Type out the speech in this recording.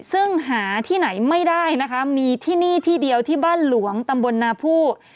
ซึ่งหาที่ไหนไม่ได้นะคะมีที่นี่ที่เดียวที่บ้านหลวงตำบลนาผู้